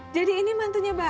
jadi ini mantunya bang